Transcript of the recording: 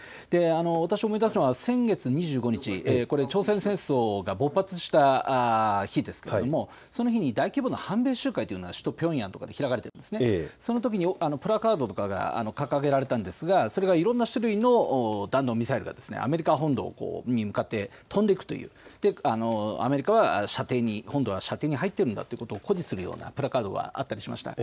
私、思い出すのは先月２５日、朝鮮戦争が勃発した日ですがその日に大規模な反米集会というのが首都ピョンヤンで開かれてそのときにプラカードとかが掲げられたんですがそれはいろんな種類の弾道ミサイルがアメリカ本土に向かって飛んでいくという、アメリカは本土が射程に入っているんだというようなプラカードがあったりしました。